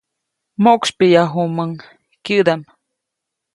Moʼksypyäyajuʼumuŋ kyäʼdaʼm.